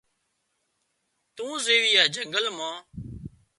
تون زيوي آ جنگل مان